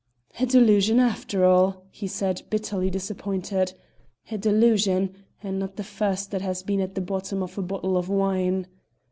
"A delusion after all!" he said, bitterly disappointed. "A delusion, and not the first that has been at the bottom of a bottle of wine."